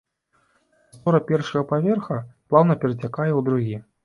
Прастора першага паверха плаўна перацякае ў другі.